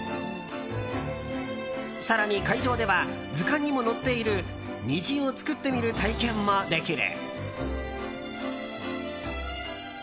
更に、会場では図鑑にも載っている虹を作ってみる体験もできる。